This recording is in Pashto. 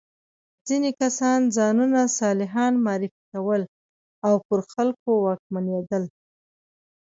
ځینې کسان ځانونه صالحان معرفي کول او پر خلکو واکمنېدل.